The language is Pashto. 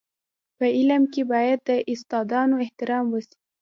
په علم کي باید د استادانو احترام وسي.